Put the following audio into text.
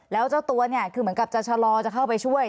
แล้วเจ้าตัวเนี่ยคือเหมือนกับจะชะลอจะเข้าไปช่วย